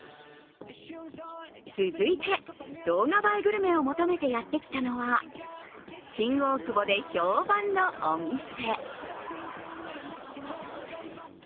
続いて動画映えグルメを求めてやってきたのは新大久保で評判のお店。